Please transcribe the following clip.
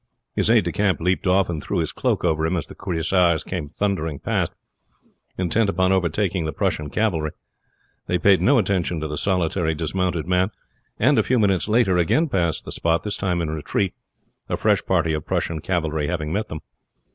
His aid de camp leaped off and threw his cloak over him as the cuirassiers came thundering past, intent upon overtaking the Prussian cavalry. They paid no attention to the solitary dismounted man, and a few minutes later again passed the spot, this time in retreat, a fresh party of Prussian cavalry having met them.